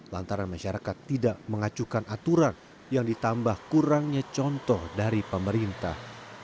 lantaran masyarakat tidak mengacukan aturan yang ditambah kurangnya contoh dari pemerintah